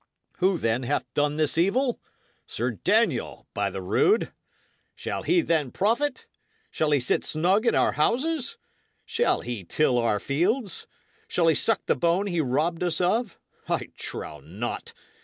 Who, then, hath done this evil? Sir Daniel, by the rood! Shall he then profit? shall he sit snug in our houses? shall he till our fields? shall he suck the bone he robbed us of? I trow not.